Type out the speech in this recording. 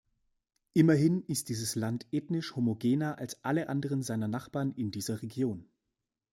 Immerhin ist dieses Land ethnisch homogener als alle anderen seiner Nachbarn in dieser Region.